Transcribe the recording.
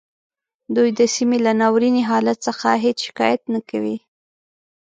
دوی د سیمې له ناوریني حالت څخه هیڅ شکایت نه کوي